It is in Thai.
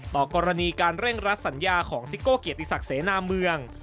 ต่อกรณีการเร่งรัดสัญญาของซิโก้เกียรติศักดิ์เสนาเมือง